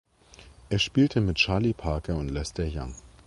Er spielte mit Charlie Parker und Lester Young.